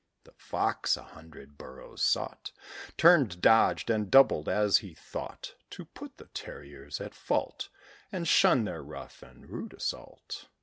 The Fox a hundred burrows sought: Turned, dodged, and doubled, as he thought, To put the terriers at fault, And shun their rough and rude assault.